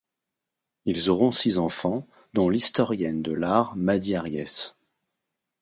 Ils auront six enfants, dont l'historienne de l'art Maddy Ariès.